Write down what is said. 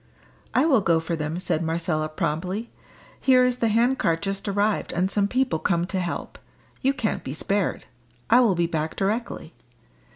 "I will go for them," said Marcella promptly. "Here is the hand cart just arrived and some people come to help; you can't be spared. I will be back directly."